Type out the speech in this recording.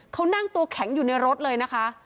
เขานั่งตัวแข็งอยู่ในรถเลยนะคะ